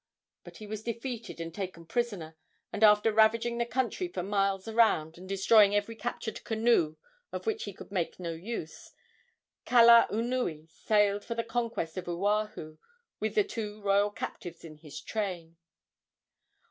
But he was defeated and taken prisoner, and after ravaging the country for miles around, and destroying every captured canoe of which he could make no use, Kalaunui sailed for the conquest of Oahu with the two royal captives in his train.